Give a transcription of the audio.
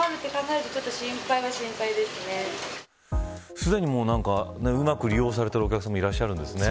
すでにうまく利用されているお客さんもいらっしゃるんですね。